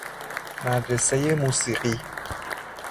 مدرسۀ موسیقی